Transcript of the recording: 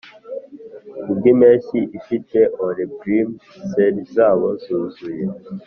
kubwimpeshyi ifite o'erbrimm'd selile zabo zuzuye.